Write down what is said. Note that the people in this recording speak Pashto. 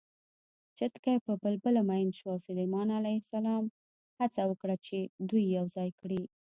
چتکي په بلبله مین شو او سلیمان ع هڅه وکړه چې دوی یوځای کړي